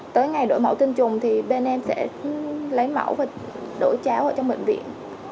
tới ngày đổi mẫu tinh trùng thì bên em sẽ lấy mẫu và đổi cháo ở trong bệnh viện